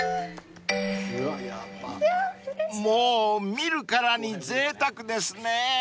［もう見るからにぜいたくですね］